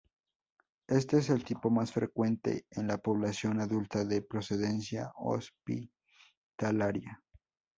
Este es el tipo más frecuente en la población adulta de procedencia hospitalaria.